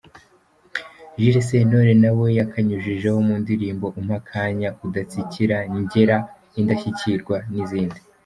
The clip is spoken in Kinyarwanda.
Jules Sentore na we yakanyujijeho mu ndirimbo ‘Umpe Akanya’, ‘Udatsikira’, ‘Ngera’, ‘Indashyikirwa’ n’izindi.